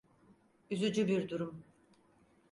Üzücü bir durum.